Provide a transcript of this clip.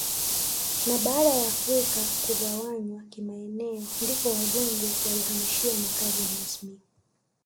Na baada ya afrika kugawanywa kimaeneo ndipo wazungu walihamishia makazi rasmi